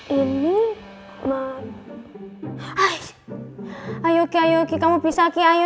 jangan sampai ini anaknya ricky